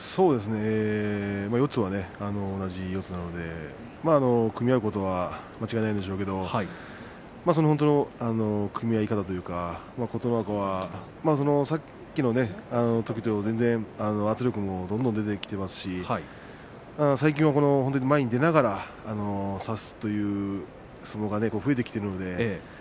四つは同じ四つなので組み合うことは間違いないんでしょうけれどその組み合い方というか琴ノ若はさっきのときと違って圧力もどんどん出てきていますし最近は前に出ながら差す相撲が増えてきているので。